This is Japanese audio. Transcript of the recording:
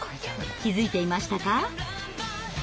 気付いていましたか？